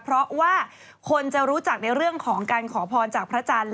เพราะว่าคนจะรู้จักในเรื่องของการขอพรจากพระจันทร์